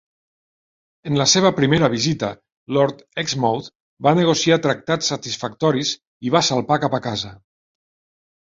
En la seva primera visita, Lord Exmouth va negociar tractats satisfactoris i va salpar cap a casa.